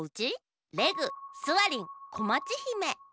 レグスワリンこまちひめ。